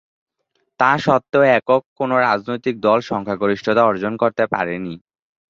তা সত্ত্বেও একক কোন রাজনৈতিক দল সংখ্যাগরিষ্ঠতা অর্জন করতে পারেনি।